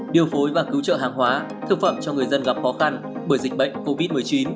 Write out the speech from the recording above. điều phối và cứu trợ hàng hóa thực phẩm cho người dân gặp khó khăn bởi dịch bệnh covid một mươi chín